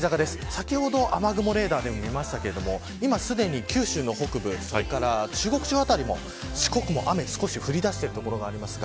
先ほど、雨雲レーダーでも見ましたが今すでに九州北部や中国地方辺り四国も雨が降りだしている所があります。